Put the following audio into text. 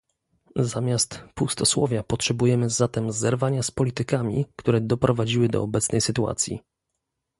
Zamiast pustosłowia potrzebujemy zatem zerwania z politykami, które doprowadziły do obecnej sytuacji